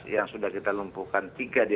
yang sudah kita lumpuhkan tiga di